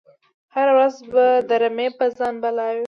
هره ورځ به د رمی په ځان بلا وي